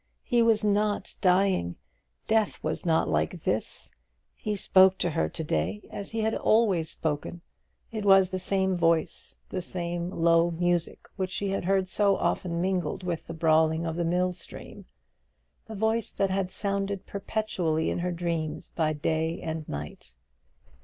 He was not dying! Death was not like this. He spoke to her to day as he had always spoken. It was the same voice, the same low music which she had heard so often mingled with the brawling of the mill stream: the voice that had sounded perpetually in her dreams by day and night.